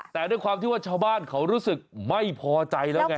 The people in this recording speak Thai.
แต่ด้วยความที่ว่าชาวบ้านเขารู้สึกไม่พอใจแล้วไง